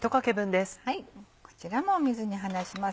こちらも水に放します。